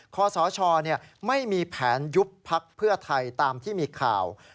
ขอสชไม่มีแผนยุบพักเพื่อไทยตามที่มีข่าว